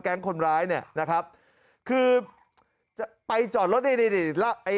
แก๊งคนร้ายนะครับคือไปจอดรถนี่แล้ว